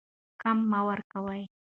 کم مه ورکوئ.